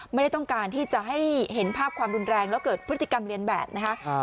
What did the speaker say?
ไม่ได้ต้องการที่จะให้เห็นภาพความรุนแรงแล้วเกิดพฤติกรรมเรียนแบบนะคะ